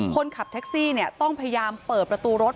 คนขับแท็กซี่ต้องพยายามเปิดประตูรถ